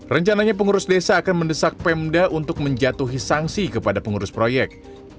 rencananya pengurus desa akan mendesak pemda untuk menjatuhi sanksi kepada pengurus proyek